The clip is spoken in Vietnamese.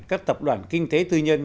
các tập đoàn kinh tế tư nhân